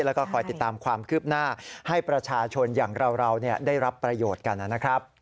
แล้วก็คอยติดตามความคืบหน้าให้ประชาชนอย่างเราได้รับประโยชน์กันนะครับ